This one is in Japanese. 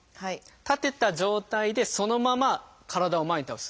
立てた状態でそのまま体を前に倒す。